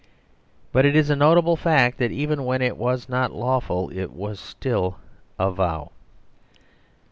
But it is a notable fact that even when it was not lawful, it was still a vow.